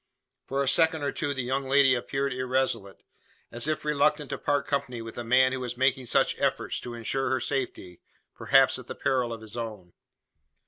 For a second or two the young lady appeared irresolute as if reluctant to part company with the man who was making such efforts to ensure her safety perhaps at the peril of his own.